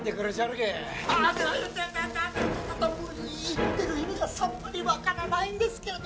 言ってる意味がさっぱり分からないんですけれども。